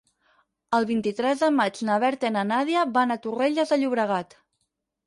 El vint-i-tres de maig na Berta i na Nàdia van a Torrelles de Llobregat.